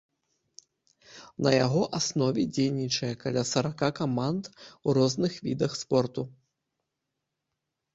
На яго аснове дзейнічае каля сарака каманд у розных відах спорту.